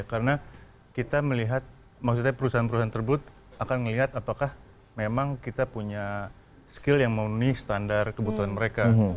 karena kita melihat maksudnya perusahaan perusahaan terbut akan melihat apakah memang kita punya skill yang memenuhi standar kebutuhan mereka